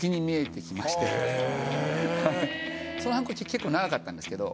その反抗期結構長かったんですけど。